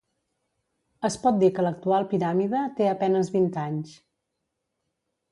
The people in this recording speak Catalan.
Es pot dir que l'actual piràmide té a penes vint anys.